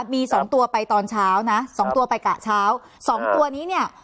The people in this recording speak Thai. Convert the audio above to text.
มีสองตัวไปตอนเช้านะสองตัวไปกะเช้าสองตัวนี้เนี่ย